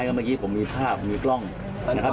เพราะเมื่อกี้ผมมีผ้าผมมีกล้องนะครับ